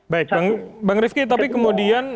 baik bang rifki tapi kemudian